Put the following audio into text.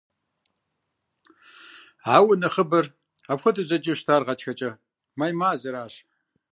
Ауэ нэхъыбэр апхуэдэу зэджэу щытар гъатхэкӀэ «май» мазэращ.